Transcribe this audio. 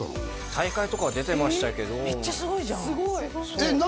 大会とかは出てましたけどめっちゃすごいじゃんえっ何？